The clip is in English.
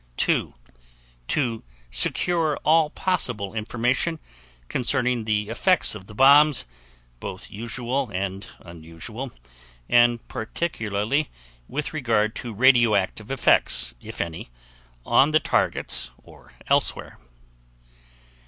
2. To secure all possible information concerning the effects of the bombs, both usual and unusual, and particularly with regard to radioactive effects, if any, on the targets or elsewhere.